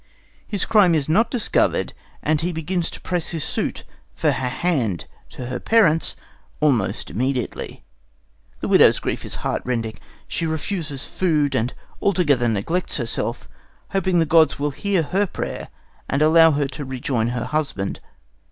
His crime is not discovered, and he begins to press his suit for her hand to her parents almost immediately. The widow's grief is heart rending. She refuses food and altogether neglects herself, hoping that the gods will hear her prayer and allow her to rejoin her husband.